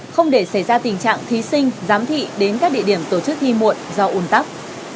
không để xảy ra tình trạng thí sinh giám thị đến các địa điểm tổ chức thi muộn do ủn tắc